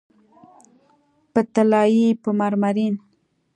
په طلایې، په مرمرین